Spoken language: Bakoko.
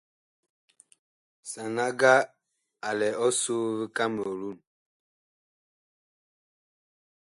Sanaga a lɛ ɔsoo vi Kamelun.